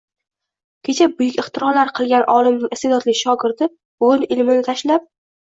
Kecha buyuk ixtirolar qilgan olimning iste’dodli shogirdi bugun ilmini tashlab